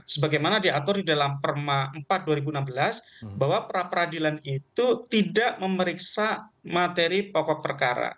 sebagaimana diatur di dalam perma empat dua ribu enam belas bahwa pra peradilan itu tidak memeriksa materi pokok perkara